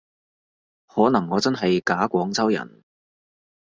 可能我真係假廣州人